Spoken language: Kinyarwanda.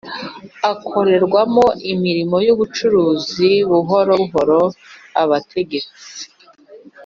akorerwamo imirimo y ubucuruzi Buhoro buhoro abategetsi